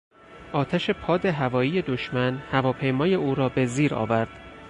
آتش پاد هوایی دشمن هواپیمای او را به زیر آورد.